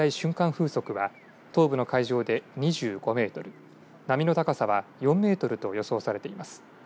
風速は東部の海上で２５メートル波の高さは４メートルと予想されています。